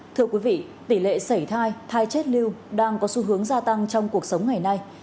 thưa quý vị tỷ lệ xảy thai thai chết lưu đang có xu hướng gia tăng trong cuộc sống ngày nay